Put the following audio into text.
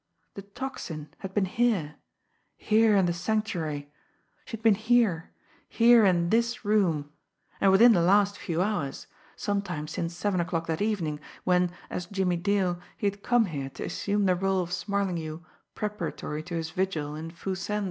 The Tocsin had been here here in the Sanctuary! She had been here here in this room and within the last few hours sometime since seven o'clock that evening, when, as Jimmie Dale, he had come here to assume the role of Smarlinghue preparatory to his vigil in Foo Sen's!